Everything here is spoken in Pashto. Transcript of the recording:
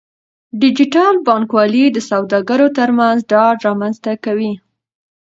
ډیجیټل بانکوالي د سوداګرو ترمنځ ډاډ رامنځته کوي.